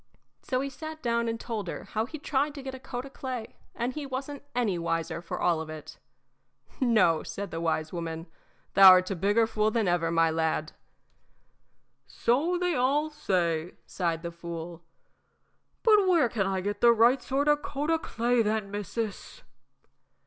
So he sat down and told her how he'd tried to get a coat o' clay, and he wasn't any wiser for all of it. "No," said the wise woman, "thou 'rt a bigger fool than ever, my lad." "So they all say," sighed the fool; "but where can I get the right sort of coat o' clay, then, missis?"